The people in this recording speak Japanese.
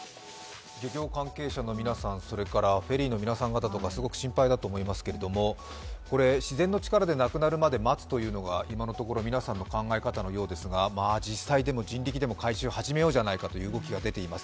漁業関係者の皆さん、フェリーの皆さんとかすごく心配だと思いますけれども自然の力でなくなるまで待つというのが、今のところ皆さんの考え方のようですが実際、人力でも回収を始めようじゃないかということにもなっています。